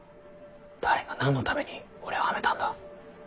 誰が何のために俺をはめたんだ？